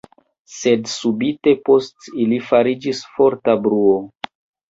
Sed subite post ili fariĝis forta bruo.